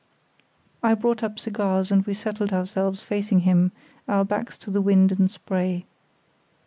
I brought up cigars and we settled ourselves facing him, our backs to the wind and spray.